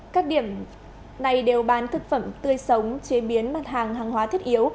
các điểm này đều bán thực phẩm tươi sống chế biến mặt hàng hàng hóa thiết yếu